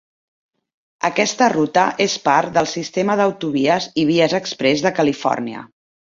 Aquesta ruta és part del Sistema d'Autovies i Vies Exprés de Califòrnia.